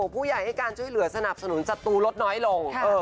ผู้ใหญ่ให้การช่วยเหลือสนับสนุนศัตรูลดน้อยลง